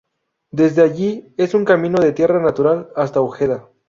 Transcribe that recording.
Desde allí es un camino de tierra natural hasta Ojeda.